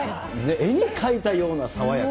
絵に描いたような爽やか。